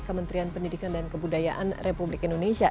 kementerian pendidikan dan kebudayaan republik indonesia